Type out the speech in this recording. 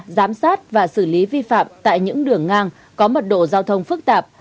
giám sát và xử lý vi phạm tại những đường ngang có mật độ giao thông phức tạp